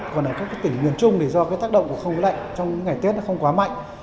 còn ở các tỉnh nguyên trung thì do tác động không lạnh trong những ngày tết không quá mạnh